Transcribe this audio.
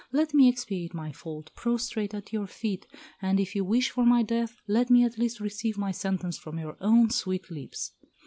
Let me expiate my fault, prostrate at your feet; and, if you wish for my death, let me at least receive my sentence from your own sweet lips."